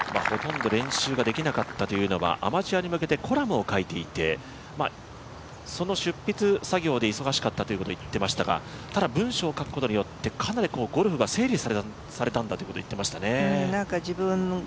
ほとんど練習できなかったというのは、アマチュアに向けてコラムを書いていてその執筆作業で忙しかったということを言ってましたがただ文章を書くことによってかなりゴルフが整理されたんだということを言っていましたね。